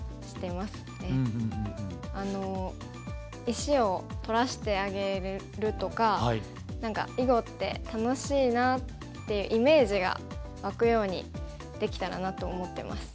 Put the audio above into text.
石を取らせてあげるとか何か囲碁って楽しいなってイメージが湧くようにできたらなと思ってます。